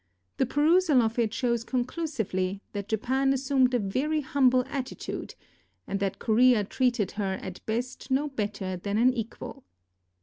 The perusal of it shows conclusively that Japan assumed a very humble attitude, and that Korea treated her at best no better than an equal.